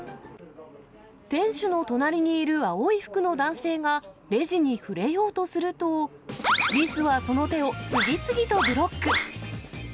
店主の隣にいる青い服の男性が、レジに触れようとすると、リスはその手を次々とブロック。